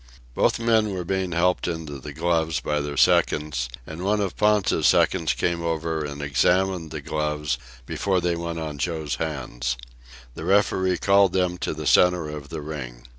Both men were being helped into the gloves by their seconds, and one of Ponta's seconds came over and examined the gloves before they went on Joe's hands. The referee called them to the centre of the ring.